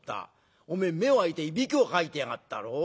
おめえ目を開いてイビキをかいてやがったろう？